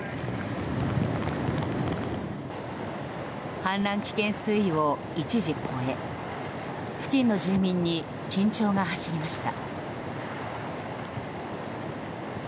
氾濫危険水位を一時超え付近の住民に緊張が走りました。